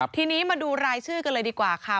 ทีนี้มาดูรายชื่อกันเลยดีกว่าค่ะ